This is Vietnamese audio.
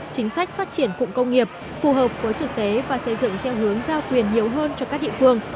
chính sách phát triển cụng công nghiệp phù hợp với thực tế và xây dựng theo hướng giao quyền nhiều hơn cho các địa phương